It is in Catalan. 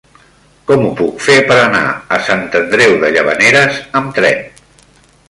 Com ho puc fer per anar a Sant Andreu de Llavaneres amb tren?